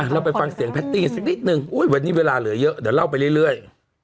เราไปฟังเสียงแพตตี้สักนิดนึงวันนี้เวลาเหลือเยอะเดี๋ยวเล่าไปเรื่อย